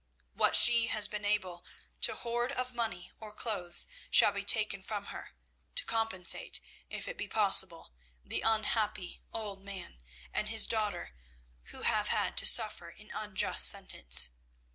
What she has been able to hoard of money or clothes shall be taken from her, to compensate, if it be possible, the unhappy old man and his daughter who have had to suffer an unjust sentence.